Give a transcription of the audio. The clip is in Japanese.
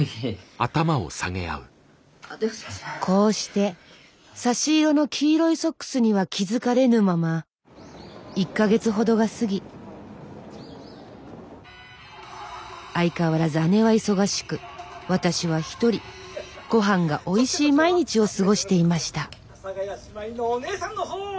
こうして差し色の黄色いソックスには気付かれぬまま１か月ほどが過ぎ相変わらず姉は忙しく私は一人ごはんがおいしい毎日を過ごしていました「阿佐ヶ谷姉妹のお姉さんの方！」。